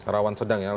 rawan sedang ya